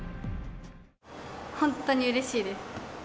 本当にうれしいです。